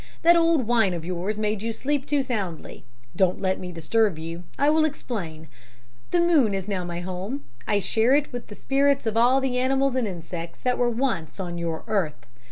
'That old wine of yours made you sleep too soundly. Don't let me disturb you. I will explain. This moon is now my home I share it with the spirits of all the animals and insects that were once on your earth.